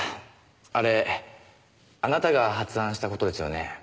あれあなたが発案した事ですよね？